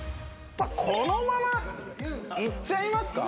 このままいっちゃいますか？